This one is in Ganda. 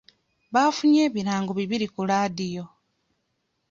Bafunye ebirango bibiri ku laadiyo.